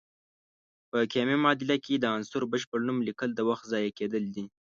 په کیمیاوي معادله کې د عنصر بشپړ نوم لیکل د وخت ضایع کیدل دي.